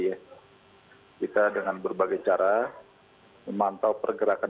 jadi kita dengan berbagai cara memantau pergerakan